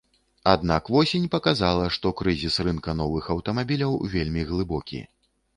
Аднак восень паказала, што крызіс рынка новых аўтамабіляў вельмі глыбокі.